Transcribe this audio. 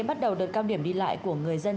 bắt đầu đợt cao điểm đi lại của người dân